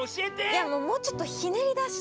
いやもうちょっとひねりだしてよ。